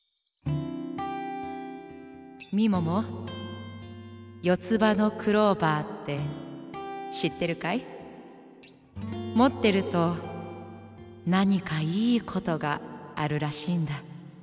みももよつばのクローバーってしってるかい？もってるとなにかいいことがあるらしいんだ。